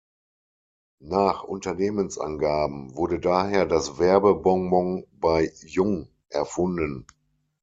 Nach Unternehmensangaben wurde daher das Werbe-Bonbon bei Jung erfunden.